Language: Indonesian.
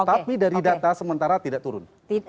tapi dari data sementara tidak turun